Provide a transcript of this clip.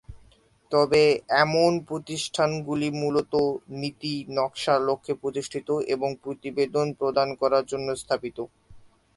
তবে এমন প্রতিষ্ঠানগুলি মূলত নীতি নকশার লক্ষ্যে প্রতিষ্ঠিত এবং প্রতিবেদন প্রদান করার জন্য স্থাপিত।